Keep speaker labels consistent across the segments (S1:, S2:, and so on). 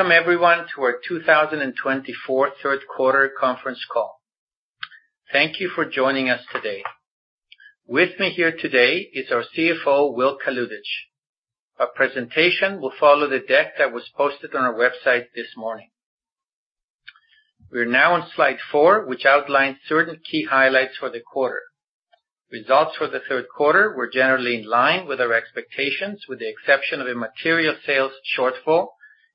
S1: Welcome, everyone, to our 2024 third quarter conference call. Thank you for joining us today. With me here today is our CFO, Will Kalutycz. Our presentation will follow the deck that was posted on our website this morning. We're now on slide four, which outlines certain key highlights for the quarter. Results for the third quarter were generally in line with our expectations, with the exception of a material sales shortfall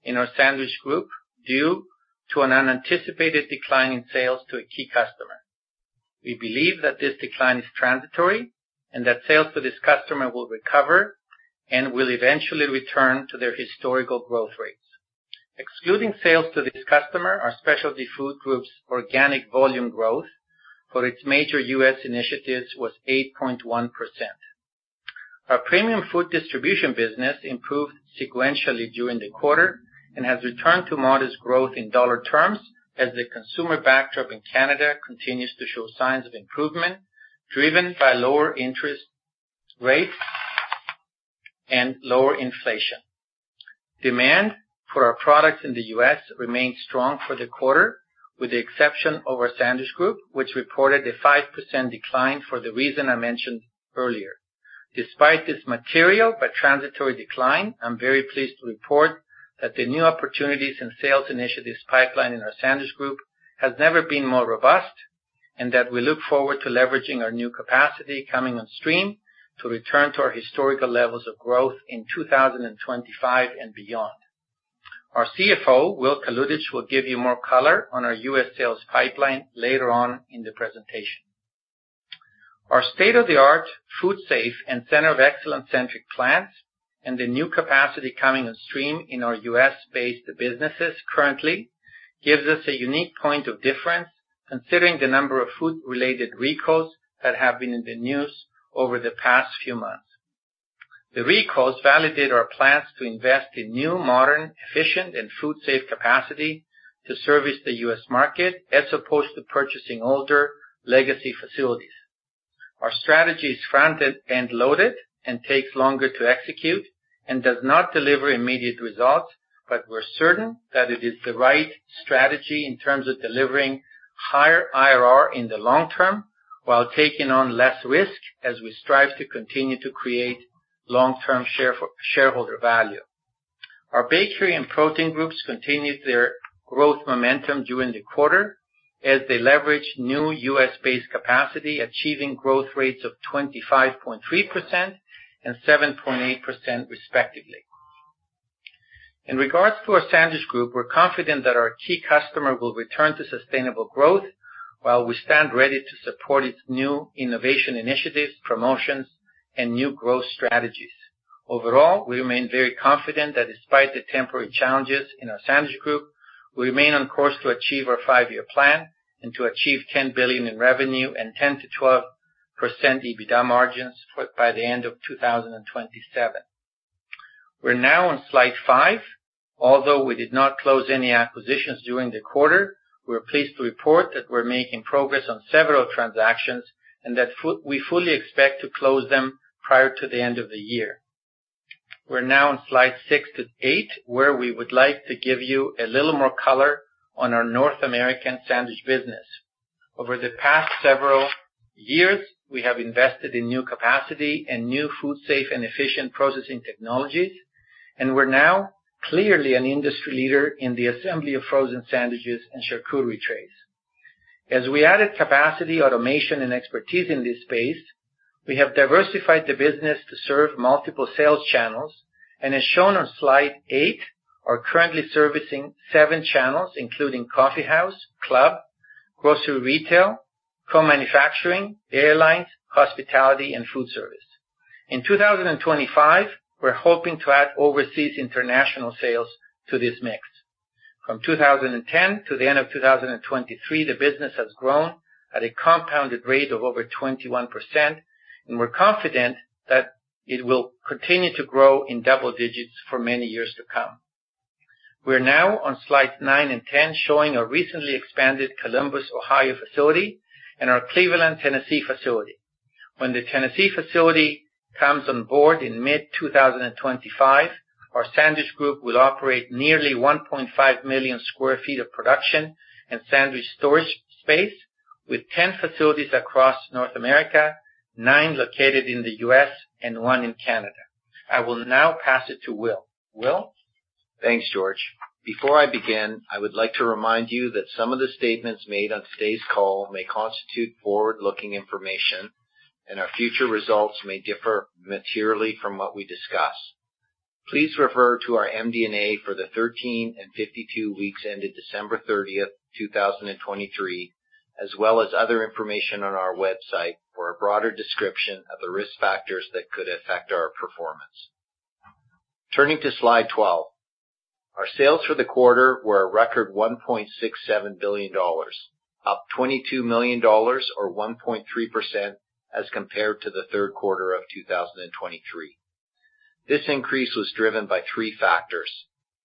S1: in our sandwich group due to an unanticipated decline in sales to a key customer. We believe that this decline is transitory and that sales to this customer will recover and will eventually return to their historical growth rates. Excluding sales to this customer, our Specialty Food Group's organic volume growth for its major U.S. initiatives was 8.1%. Our Premium Food Distribution business improved sequentially during the quarter and has returned to modest growth in dollar terms as the consumer backdrop in Canada continues to show signs of improvement driven by lower interest rates and lower inflation. Demand for our products in the U.S. remained strong for the quarter, with the exception of our sandwich group, which reported a 5% decline for the reason I mentioned earlier. Despite this material but transitory decline, I'm very pleased to report that the new opportunities and sales initiatives pipeline in our sandwich group has never been more robust and that we look forward to leveraging our new capacity coming on stream to return to our historical levels of growth in 2025 and beyond. Our CFO, Will Kalutycz, will give you more color on our U.S. sales pipeline later on in the presentation. Our state-of-the-art, food-safe, and center-of-excellence-centric plans and the new capacity coming on stream in our U.S.-based businesses currently gives us a unique point of difference considering the number of food-related recalls that have been in the news over the past few months. The recalls validate our plans to invest in new, modern, efficient, and food-safe capacity to service the U.S. market as opposed to purchasing older legacy facilities. Our strategy is front-end loaded and takes longer to execute and does not deliver immediate results, but we're certain that it is the right strategy in terms of delivering higher IRR in the long term while taking on less risk as we strive to continue to create long-term shareholder value. Our bakery and protein groups continued their growth momentum during the quarter as they leveraged new U.S.-based capacity, achieving growth rates of 25.3% and 7.8%, respectively. In regards to our sandwich group, we're confident that our key customer will return to sustainable growth while we stand ready to support its new innovation initiatives, promotions, and new growth strategies. Overall, we remain very confident that despite the temporary challenges in our sandwich group, we remain on course to achieve our five-year plan and to achieve 10 billion in revenue and 10%-12% EBITDA margins by the end of 2027. We're now on slide five. Although we did not close any acquisitions during the quarter, we're pleased to report that we're making progress on several transactions and that we fully expect to close them prior to the end of the year. We're now on slide six to eight, where we would like to give you a little more color on our North American sandwich business. Over the past several years, we have invested in new capacity and new food-safe and efficient processing technologies, and we're now clearly an industry leader in the assembly of frozen sandwiches and charcuterie trays. As we added capacity, automation, and expertise in this space, we have diversified the business to serve multiple sales channels, and as shown on slide eight, we are currently servicing seven channels, including coffeehouse, club, grocery retail, co-manufacturing, airlines, hospitality, and food service. In 2025, we're hoping to add overseas international sales to this mix. From 2010 to the end of 2023, the business has grown at a compounded rate of over 21%, and we're confident that it will continue to grow in double digits for many years to come. We're now on slides nine and ten, showing our recently expanded Columbus, Ohio facility and our Cleveland, Tennessee facility. When the Tennessee facility comes on board in mid-2025, our sandwich group will operate nearly 1.5 million sq ft of production and sandwich storage space, with 10 facilities across North America, nine located in the U.S., and one in Canada. I will now pass it to Will. Will.
S2: Thanks, George. Before I begin, I would like to remind you that some of the statements made on today's call may constitute forward-looking information, and our future results may differ materially from what we discuss. Please refer to our MD&A for the 13 and 52 weeks ended December 30, 2023, as well as other information on our website for a broader description of the risk factors that could affect our performance. Turning to slide 12, our sales for the quarter were a record 1.67 billion dollars, up 22 million dollars, or 1.3%, as compared to the third quarter of 2023. This increase was driven by three factors,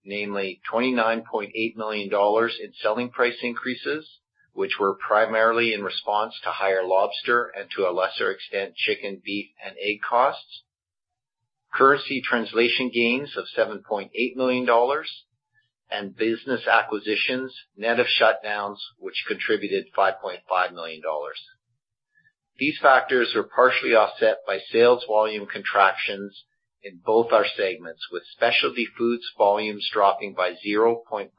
S2: namely 29.8 million dollars in selling price increases, which were primarily in response to higher lobster and, to a lesser extent, chicken, beef, and egg costs, currency translation gains of 7.8 million dollars, and business acquisitions net of shutdowns, which contributed 5.5 million dollars. These factors are partially offset by sales volume contractions in both our segments, with Specialty Foods volumes dropping by 0.4%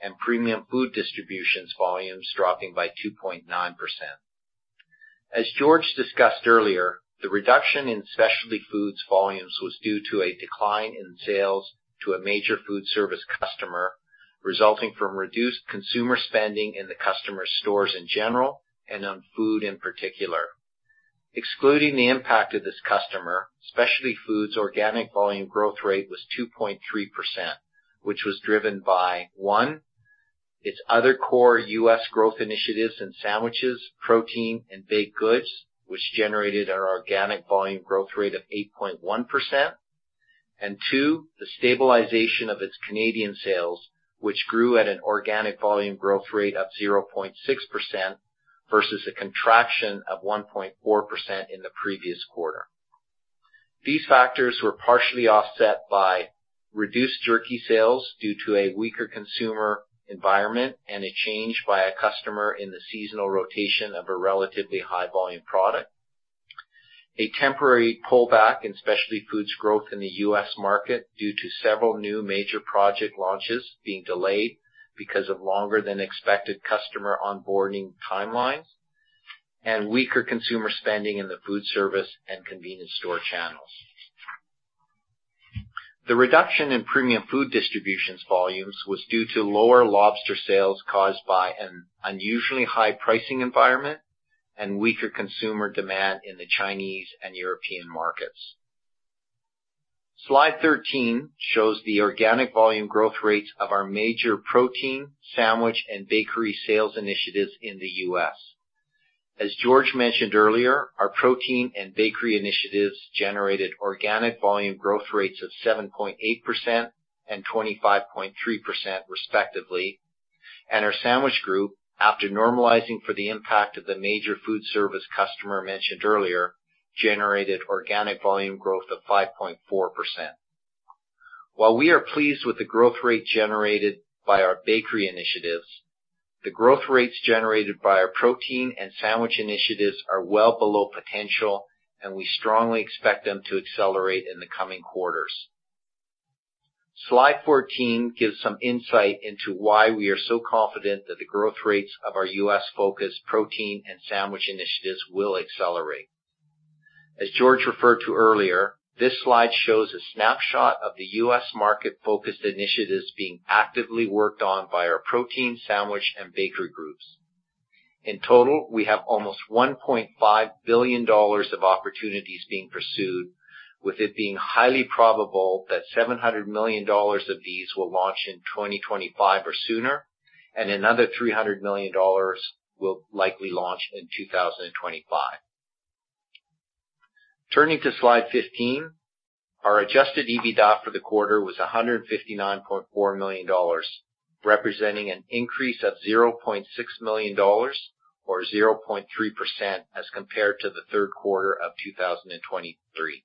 S2: and Premium Food Distribution volumes dropping by 2.9%. As George discussed earlier, the reduction in Specialty Foods volumes was due to a decline in sales to a major food service customer, resulting from reduced consumer spending in the customer's stores in general and on food in particular. Excluding the impact of this customer, Specialty Foods' organic volume growth rate was 2.3%, which was driven by, one, its other core U.S. growth initiatives in sandwiches, protein, and baked goods, which generated an organic volume growth rate of 8.1%, and two, the stabilization of its Canadian sales, which grew at an organic volume growth rate of 0.6% versus a contraction of 1.4% in the previous quarter. These factors were partially offset by reduced jerky sales due to a weaker consumer environment and a change by a customer in the seasonal rotation of a relatively high-volume product. A temporary pullback in Specialty Foods' growth in the U.S. market due to several new major project launches being delayed because of longer-than-expected customer onboarding timelines. And weaker consumer spending in the food service and convenience store channels. The reduction in Premium Food Distribution's volumes was due to lower lobster sales caused by an unusually high pricing environment and weaker consumer demand in the Chinese and European markets. Slide 13 shows the organic volume growth rates of our major protein, sandwich, and bakery sales initiatives in the U.S. As George mentioned earlier, our protein and bakery initiatives generated organic volume growth rates of 7.8% and 25.3%, respectively, and our sandwich group, after normalizing for the impact of the major food service customer mentioned earlier, generated organic volume growth of 5.4%. While we are pleased with the growth rate generated by our bakery initiatives, the growth rates generated by our protein and sandwich initiatives are well below potential, and we strongly expect them to accelerate in the coming quarters. Slide 14 gives some insight into why we are so confident that the growth rates of our U.S.-focused protein and sandwich initiatives will accelerate. As George referred to earlier, this slide shows a snapshot of the U.S. market-focused initiatives being actively worked on by our protein, sandwich, and bakery groups. In total, we have almost 1.5 billion dollars of opportunities being pursued, with it being highly probable that 700 million dollars of these will launch in 2025 or sooner, and another 300 million dollars will likely launch in 2025. Turning to slide 15, our adjusted EBITDA for the quarter was 159.4 million dollars, representing an increase of 0.6 million dollars, or 0.3%, as compared to the third quarter of 2023.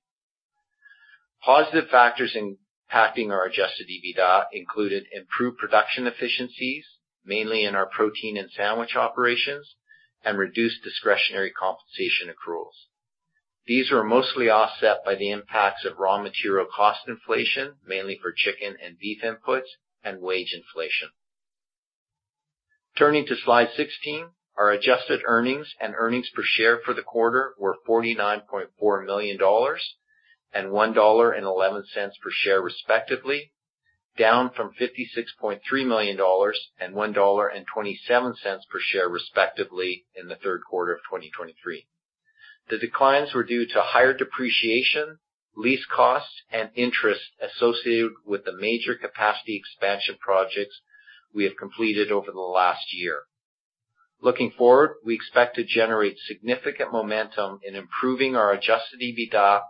S2: Positive factors impacting our adjusted EBITDA included improved production efficiencies, mainly in our protein and sandwich operations, and reduced discretionary compensation accruals. These were mostly offset by the impacts of raw material cost inflation, mainly for chicken and beef inputs, and wage inflation. Turning to slide 16, our adjusted earnings and earnings per share for the quarter were 49.4 million dollars and $1.11 per share, respectively, down from 56.3 million dollars and $1.27 per share, respectively, in the third quarter of 2023. The declines were due to higher depreciation, lease costs, and interest associated with the major capacity expansion projects we have completed over the last year. Looking forward, we expect to generate significant momentum in improving our adjusted EBITDA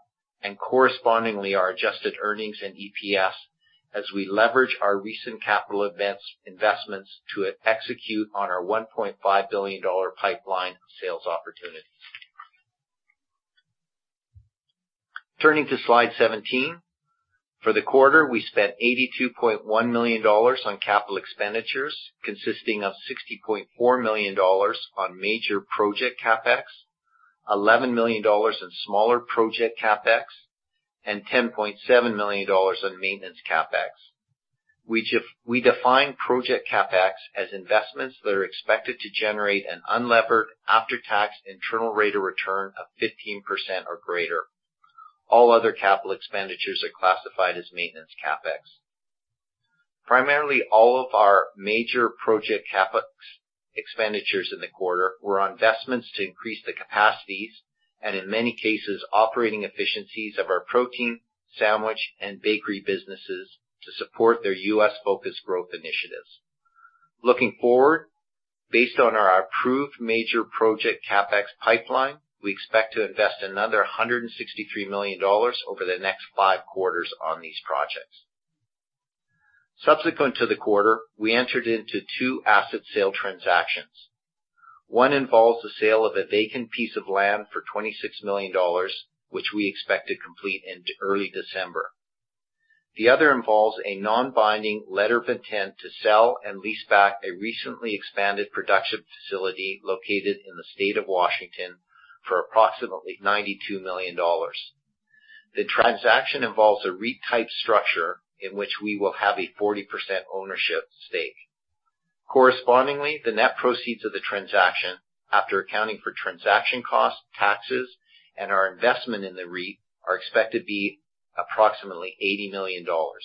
S2: and correspondingly our adjusted earnings and EPS as we leverage our recent capital investments to execute on our 1.5 billion dollar pipeline sales opportunities. Turning to slide 17, for the quarter, we spent 82.1 million dollars on capital expenditures, consisting of 60.4 million dollars on major project CapEx, 11 million dollars on smaller project CapEx, and 10.7 million dollars on maintenance CapEx. We define project CapEx as investments that are expected to generate an unlevered after-tax internal rate of return of 15% or greater. All other capital expenditures are classified as maintenance CapEx. Primarily, all of our major project CapEx expenditures in the quarter were on investments to increase the capacities and, in many cases, operating efficiencies of our protein, sandwich, and bakery businesses to support their U.S.-focused growth initiatives. Looking forward, based on our approved major project CapEx pipeline, we expect to invest another 163 million dollars over the next five quarters on these projects. Subsequent to the quarter, we entered into two asset sale transactions. One involves the sale of a vacant piece of land for 26 million dollars, which we expect to complete in early December. The other involves a non-binding letter of intent to sell and lease back a recently expanded production facility located in the state of Washington for approximately 92 million dollars. The transaction involves a REIT-type structure in which we will have a 40% ownership stake. Correspondingly, the net proceeds of the transaction, after accounting for transaction costs, taxes, and our investment in the REIT, are expected to be approximately 80 million dollars.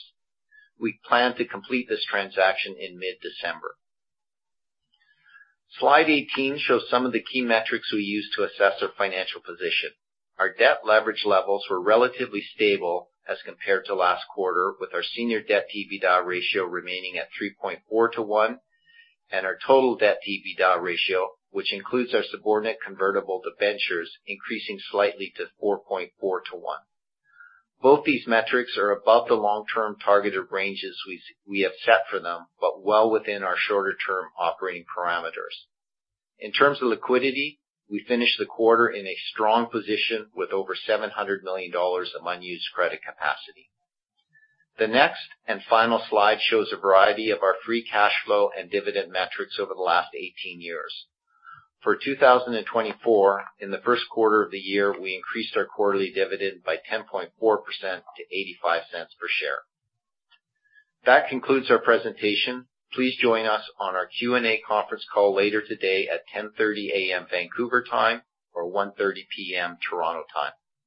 S2: We plan to complete this transaction in mid-December. Slide 18 shows some of the key metrics we use to assess our financial position. Our debt leverage levels were relatively stable as compared to last quarter, with our senior debt to EBITDA ratio remaining at 3.4 to 1, and our total debt to EBITDA ratio, which includes our subordinated convertible debentures, increasing slightly to 4.4 to 1. Both these metrics are above the long-term targeted ranges we have set for them, but well within our shorter-term operating parameters. In terms of liquidity, we finished the quarter in a strong position with over 700 million dollars of unused credit capacity. The next and final slide shows a variety of our free cash flow and dividend metrics over the last 18 years. For 2024, in the first quarter of the year, we increased our quarterly dividend by 10.4% to 0.85 per share. That concludes our presentation. Please join us on our Q&A conference call later today at 10:30 A.M. Vancouver time or 1:30 P.M. Toronto time.